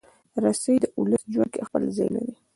رسۍ د ولس ژوند کې خپل ځای لري.